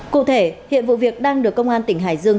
cụ thể hiện vụ việc đang được công an tỉnh hải dương